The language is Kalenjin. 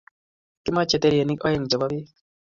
Kimache terenik oeng' chepo peek